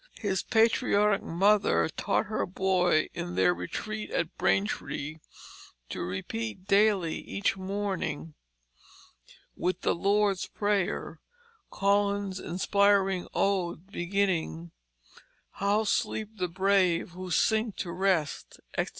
His patriotic mother taught her boy in their retreat at Braintree to repeat daily each morning, with the Lord's Prayer, Collins' inspiring ode beginning, "How sleep the brave who sink to rest," etc.